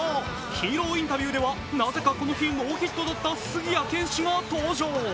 ヒーローインタビューではなぜかこの日ノーヒットだった杉谷拳士選手が登場。